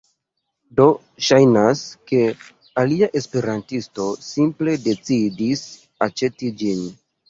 Do ŝajnas, ke alia esperantisto simple decidis aĉeti ĝin